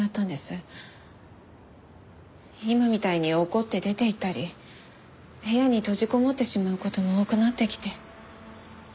今みたいに怒って出ていったり部屋に閉じこもってしまう事も多くなってきて。